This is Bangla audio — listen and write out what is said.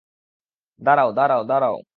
দাঁড়াও, দাঁড়াও, দাঁড়াও!